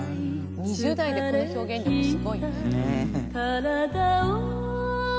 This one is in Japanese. ２０代でこの表現力すごいね。